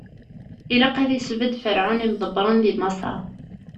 Ilaq ad isbedd Ferɛun imḍebbren di Maṣer;